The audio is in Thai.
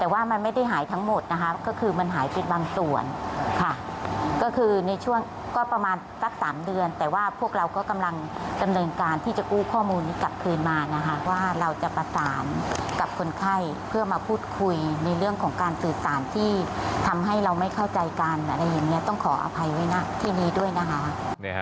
วันนี้กลับคืนมานะครับว่าเราจะประสานกับคนไข้เพื่อมาพูดคุยในเรื่องของการสื่อสารที่ทำให้เราไม่เข้าใจกันอะไรอย่างนี้ต้องขออภัยไว้ที่นี้ด้วยนะครับ